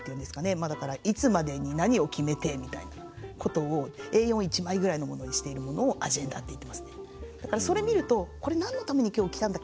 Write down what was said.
まあだからいつまでに何を決めてみたいなことをＡ４１枚ぐらいのものにしているものをアジェンダって言ってますね。